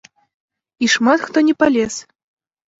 І шмат хто не палез!